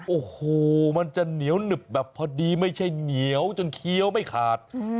โอ้โหมันจะเหนียวหนึบแบบพอดีไม่ใช่เหนียวจนเคี้ยวไม่ขาด